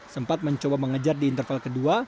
sempat mencoba mengejar di interval kedua